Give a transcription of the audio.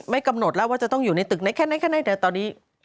ไม่กำหนดแล้วว่าจะต้องอยู่ในตึกนี้แค่นี้แต่ตอนนี้